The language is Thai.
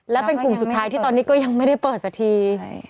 และเป็นกลุ่มสุดท้ายที่ตอนนี้ก็ยังไม่ได้เปิดสักที